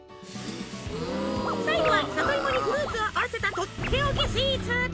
最後は里芋にフルーツを合わせたとっておきスイーツ。